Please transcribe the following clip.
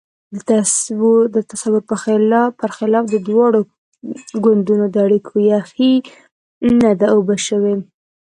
د تصور پر خلاف د دواړو ګوندونو د اړیکو یخۍ نه ده اوبه شوې.